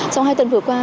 trong hai tuần vừa qua